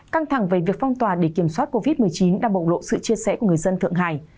căng thẳng về việc phong tòa để kiểm soát covid một mươi chín đã bộng lộ sự chia sẻ của người dân thượng hải